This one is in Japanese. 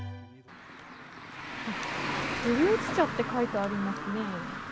古内茶って書いてありますね。